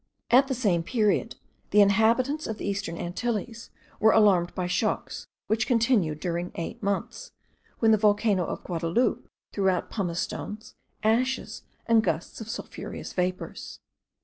At the same period the inhabitants of the eastern Antilles were alarmed by shocks, which continued during eight months, when the volcano of Guadaloupe threw out pumice stones, ashes, and gusts of sulphureous vapours.